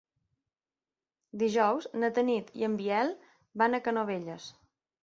Dijous na Tanit i en Biel van a Canovelles.